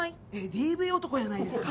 ＤＶ男やないですか。